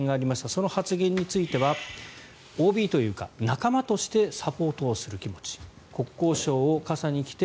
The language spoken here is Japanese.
その発言についてはＯＢというか仲間としてサポートする気持ち国交省を笠に着て